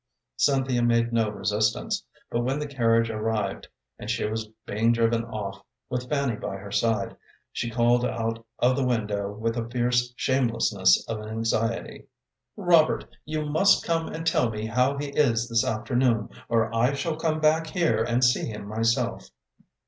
Cynthia made no resistance, but when the carriage arrived, and she was being driven off, with Fanny by her side, she called out of the window with a fierce shamelessness of anxiety, "Robert, you must come and tell me how he is this afternoon, or I shall come back here and see him myself."